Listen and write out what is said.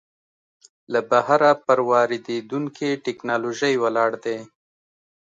له بهره پر واردېدونکې ټکنالوژۍ ولاړ دی.